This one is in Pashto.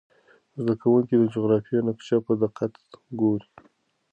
زده کوونکي د جغرافیې نقشه په دقت ګوري.